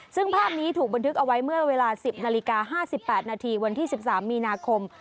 ซึ่งภาพนี้ถูกบันทึกเอาไว้เมื่อเวลา๑๐นาฬิกา๕๘นาทีวันที่๑๓มีนาคม